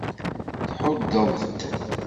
Thuddeḍ-t.